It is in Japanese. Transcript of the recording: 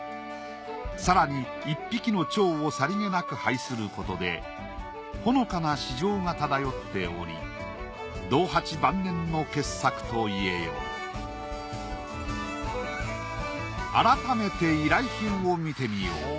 更に１匹の蝶をさりげなく配することでほのかの詩情が漂っており道八晩年の傑作と言えよう改めて依頼品を見てみよう。